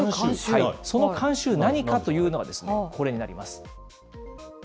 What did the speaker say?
その慣習、何かというのが、これになります。